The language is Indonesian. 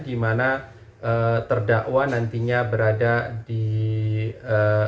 di mana terdakwa nantinya berada di eee